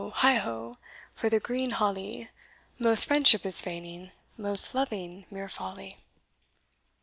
heigh ho! for the green holly, Most friendship is feigning, most loving mere folly.